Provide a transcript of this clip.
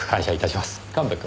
神戸君。